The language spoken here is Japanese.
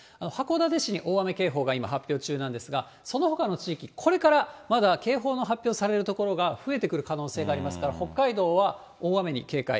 函館市に大雨警報が今、発表中なんですが、そのほかの地域、これからまだ警報の発表される所が増えてくる可能性がありますから、北海道は大雨に警戒。